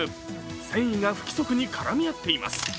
繊維が不規則に絡み合っています。